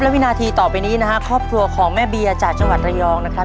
และวินาทีต่อไปนี้นะฮะครอบครัวของแม่เบียจากจังหวัดระยองนะครับ